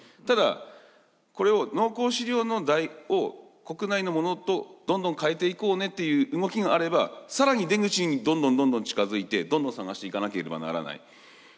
ただこれを農耕飼料を国内のものとどんどん替えていこうねという動きがあれば更に出口にどんどんどんどん近づいてどんどん探していかなければならない。